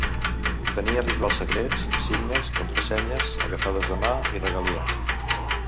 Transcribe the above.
Tenia rituals secrets, signes, contrasenyes, agafadors de mà i Regalia.